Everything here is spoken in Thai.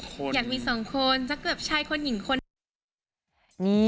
แค่มีสองคนสักสักเกือบชายคนหญิงคนนี้